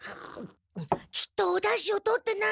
きっとおだしをとってないんだ。